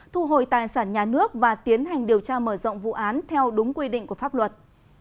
thu hồi tài sản nhà nước và tiến hành điều tra mở rộng vụ án theo đúng quy định của pháp luật